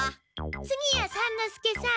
次屋三之助さん。